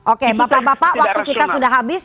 oke bapak bapak waktu kita sudah habis